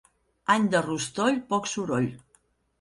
Any de rostoll, poc soroll.